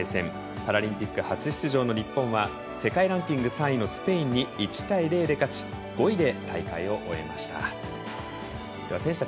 パラリンピック初出場の日本は世界ランキング３位のスペインに１対０で勝ち５位で大会を終えました。